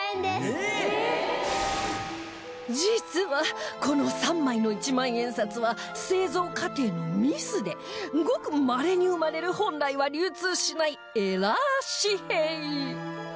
実はこの３枚の一万円札は製造過程のミスでごくまれに生まれる本来は流通しないエラー紙幣